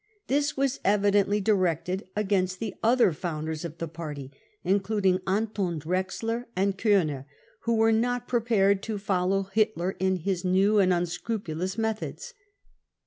This was evidently directed against the other founders of the party, including Anton Drexler and Korner, who were not prepared to follow Hitler in his new and un scrupulous methods.